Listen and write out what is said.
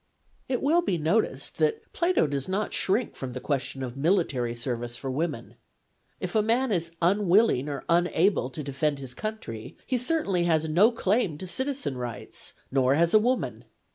It will be noticed that Plato does not shrink from the question of military service for women. If a man is unwilling or unable to defend his country, he certainly has no claim to citizen rights, nor has a woman.